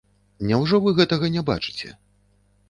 Няўжо вы гэтага не бачыце?